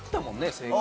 正解。